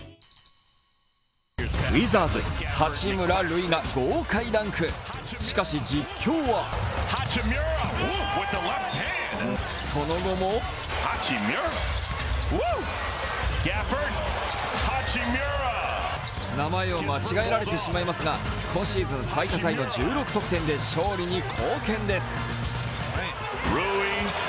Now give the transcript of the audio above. ウィザーズ・八村塁が豪快ダンクしかし実況はその後も名前を間違えられてしまいますが、今シーズン最多タイの１６得点で勝利に貢献です。